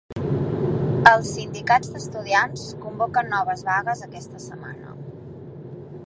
Els sindicats d’estudiants convoquen noves vagues aquesta setmana.